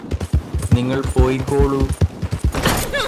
നിങ്ങള് പോയ്കോളൂ